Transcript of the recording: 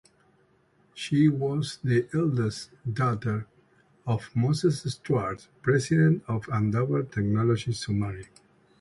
She was the eldest daughter of Moses Stuart, president of Andover Theological Seminary.